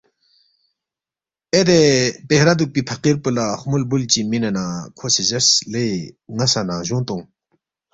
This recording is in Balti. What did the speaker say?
اے دے پہرا دُوکپی فقیر پو لہ خمُول بُول چی مِنے نہ کھو سی زیرس، لے ن٘ا سہ ننگجونگ تونگ